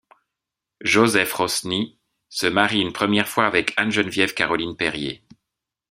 Joseph Rosny se marie une première fois avec Anne Geneviève Caroline Perrier.